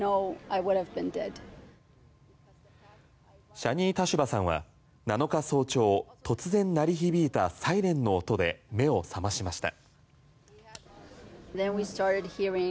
シャニー・タシュバさんは７日早朝突然鳴り響いたサイレンの音で目を覚ましました。